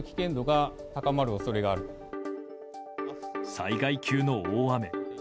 災害級の大雨。